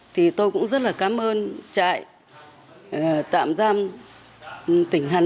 thì tôi cũng rất là cảm ơn trại tạm giam tỉnh hà